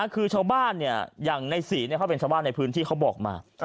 คือชาวบ้านอย่างในศรีเขาเป็นชาวบ้านในพื้นที่เขาบอกมา